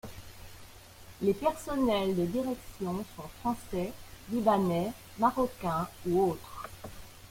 Les personnels de direction sont français, libanais, marocains ou autres.